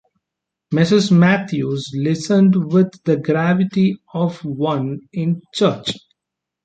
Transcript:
Mrs. Matthews listened with the gravity of one in church.